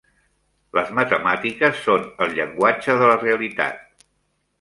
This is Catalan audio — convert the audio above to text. Les matemàtiques són el llenguatge de la realitat.